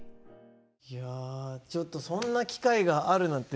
いやちょっとそんな機会があるなんて